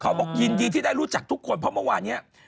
บอกยินดีที่ได้รู้จักทุกคนเพราะเมื่อวานนี้